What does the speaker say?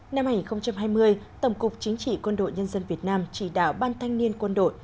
năm hai nghìn hai mươi tổng cục chính trị quân đội nhân dân việt nam chỉ đạo ban thanh niên quân đội